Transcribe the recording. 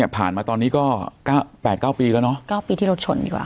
ผ่านมาตอนนี้ก็เก้าแปดเก้าปีแล้วเนอะเก้าปีที่รถชนดีกว่า